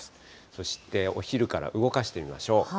そしてお昼から動かしてみましょう。